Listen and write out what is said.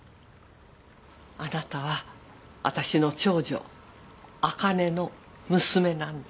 あなたは私の長女あかねの娘なんです。